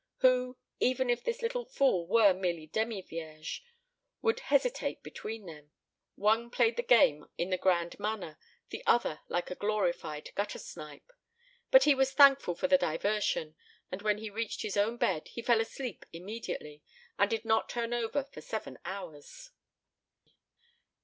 Who, even if this little fool were merely demi vierge, would hesitate between them? One played the game in the grand manner, the other like a glorified gutter snipe. But he was thankful for the diversion, and when he reached his own bed he fell asleep immediately and did not turn over for seven hours.